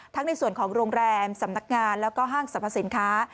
ในส่วนของโรงแรมสำนักงานแล้วก็ห้างสรรพสินค้า